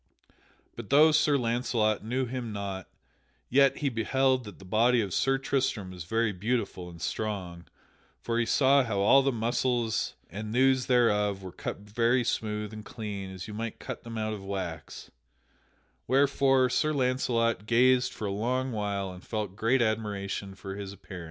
But though Sir Launcelot knew him not, yet he beheld that the body of Sir Tristram was very beautiful and strong, for he saw how all the muscles and thews thereof were cut very smooth and clean as you might cut them out of wax, wherefore Sir Launcelot gazed for a long while and felt great admiration for his appearance.